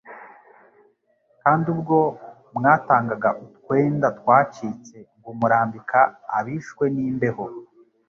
kandi ubwo mwatangaga utwenda twacitse ngo murambika abishwe n'imbeho,